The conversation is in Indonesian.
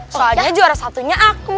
soalnya juara satunya aku